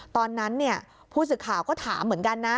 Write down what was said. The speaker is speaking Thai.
ตอนนั้นผู้สื่อข่าวก็ถามเหมือนกันนะ